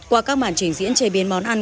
qua các màn trình diễn chế biến món ăn